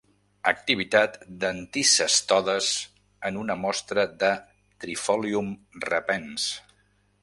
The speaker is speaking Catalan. Activitat d'anticestodes en una mostra de trifolium repens.